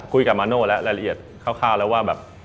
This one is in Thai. มาโน่แล้วรายละเอียดคร่าวแล้วว่าแบบ